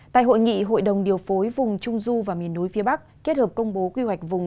tại hội nghị hội đồng điều phối vùng trung du và miền núi phía bắc kết hợp công bố quy hoạch vùng